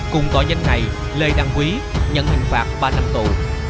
cùng tội danh này lê đăng quý nhận hình phạt ba năm tù